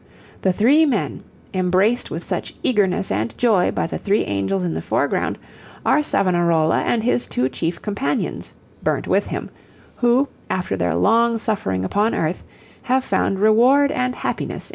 The three men, embraced with such eagerness and joy by the three angels in the foreground, are Savonarola and his two chief companions, burnt with him, who, after their long suffering upon earth, have found reward and happiness in heaven.